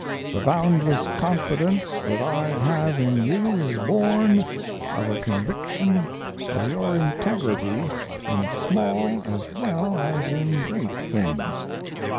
The boundless confidence that I have in you is born of a conviction of your integrity in small as well as in great things.